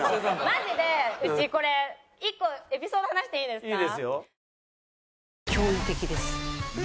マジでうちこれ１個エピソード話していいですか？